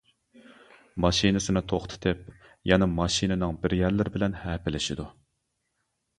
ماشىنىسىنى توختىتىپ يەنە ماشىنىنىڭ بىر يەرلىرى بىلەن ھەپىلىشىدۇ.